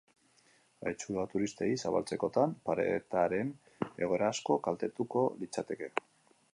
Haitzuloa turistei zabaltzekotan, paretaren egoera asko kaltetuko litzateke.